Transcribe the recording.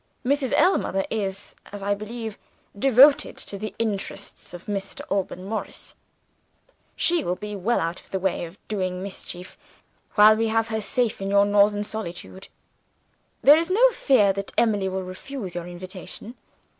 Mrs. Ellmother is, as I believe, devoted to the interests of Mr. Alban Morris: she will be well out of the way of doing mischief, while we have her safe in your northern solitude. "There is no fear that Emily will refuse your invitation.